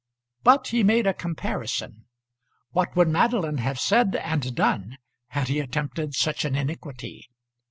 But he made a comparison. What would Madeline have said and done had he attempted such an iniquity?